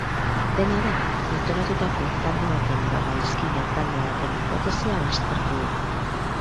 Dena den, antolatutako talde baten edo gaizkile talde baten hipotesia baztertu du.